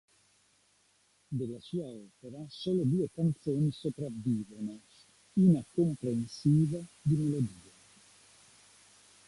Della sua opera solo due canzoni sopravvivono, una comprensiva di melodia.